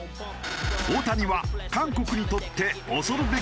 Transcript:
大谷は韓国にとって恐るべき投手のようだ。